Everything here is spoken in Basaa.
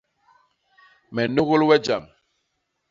Me nnôgôl we jam.